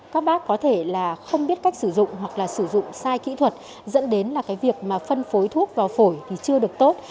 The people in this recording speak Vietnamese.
các bác có thể là không biết cách sử dụng hoặc là sử dụng sai kỹ thuật dẫn đến việc phân phối thuốc vào phổi thì chưa được tốt